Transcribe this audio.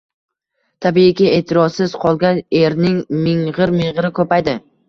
Tabiiyki, e`tiborsiz qolgan erning ming`ir-ming`iri ko`paydi